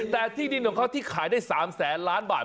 แต่ที่ดินของเขาที่ขายได้๓๐๐๐๐๐๐บาท